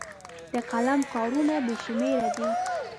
د قلم کارونه بې شمېره دي.